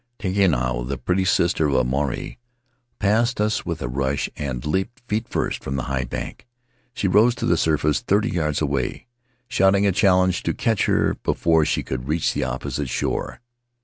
Tehinatu, the pretty sister of Maruae, passed us with a rush and leaped feet first from the high bank. She rose to the surface thirty yards away, shouting a challenge to catch her before she could reach the opposite shore.